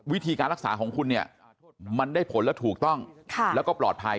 วิธีการรักษาของคุณเนี่ยมันได้ผลและถูกต้องแล้วก็ปลอดภัย